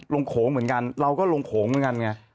โขงเหมือนกันเราก็ลงโขงเหมือนกันไง